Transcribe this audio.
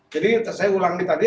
jadi saya ulangi tadi